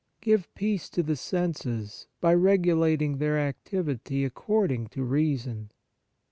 Give peace to the senses, by regulating their activity according to reason.